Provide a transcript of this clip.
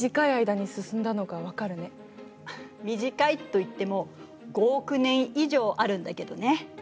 短いといっても５億年以上あるんだけどね。